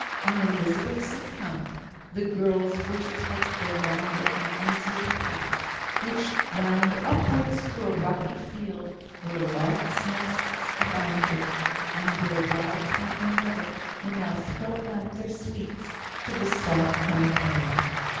On Elizabeth's account, the girls were to take the longer and easier path, which wound upwards through a rocky field, where larks' nests abounded, and where wild thyme and heather were now throwing out their sweets to the soft night air.